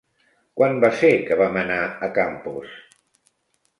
Quan va ser que vam anar a Campos?